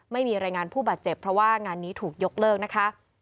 ไม่มีรายงานผู้บาดเจ็บเพราะว่างานนี้ถูกยกเลิกนะคะ